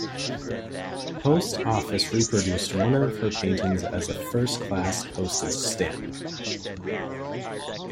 Post Office reproduced one of her paintings as a first class postage stamp.